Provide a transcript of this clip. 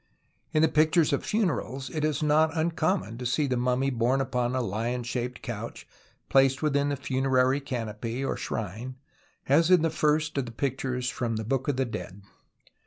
In the pictures of funerals it is not uncommon to see the mummy borne upon a lion shaped couch placed within the funerary canopy or shrine (as in the first of the pictures from the Book of the Dead, Fig.